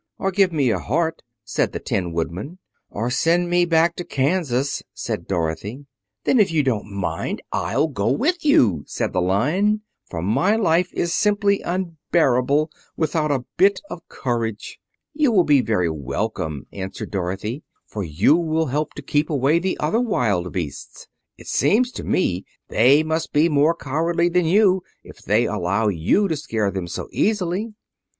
"Or give me a heart," said the Tin Woodman. "Or send me back to Kansas," said Dorothy. "Then, if you don't mind, I'll go with you," said the Lion, "for my life is simply unbearable without a bit of courage." "You will be very welcome," answered Dorothy, "for you will help to keep away the other wild beasts. It seems to me they must be more cowardly than you are if they allow you to scare them so easily."